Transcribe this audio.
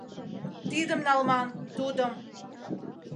Тидым налман, тудым...